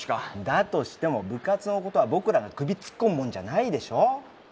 だとしても部活のことは僕らが首突っ込むもんじゃないでしょ。